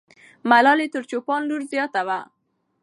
ملالۍ تر چوپان لور زیاته وه.